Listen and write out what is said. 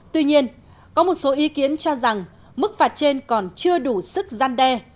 tuy nhiên có một số ý kiến cho rằng mức phạt trên còn chưa đủ sức gian đe